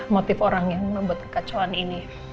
motif orang yang membuat kekacauan ini